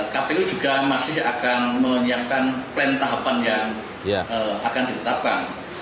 kpu juga masih akan menyiapkan plan tahapan yang akan ditetapkan